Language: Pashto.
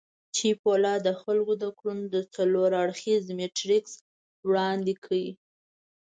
چیپولا د خلکو د کړنو څلور اړخييز میټریکس وړاندې کړ.